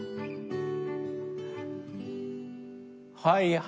はい。